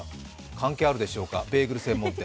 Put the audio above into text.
関係あるでしょうか、ベーグル専門店。